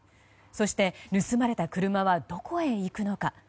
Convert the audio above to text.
そして、盗まれた車はどこへ行くのか。